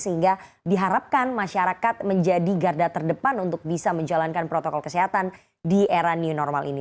sehingga diharapkan masyarakat menjadi garda terdepan untuk bisa menjalankan protokol kesehatan di era new normal ini